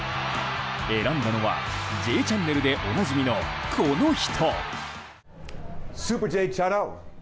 選んだのは「Ｊチャンネル」でおなじみのこの人！